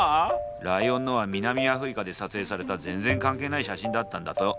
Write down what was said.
ライオンのは南アフリカで撮影された全然関係ない写真だったんだと。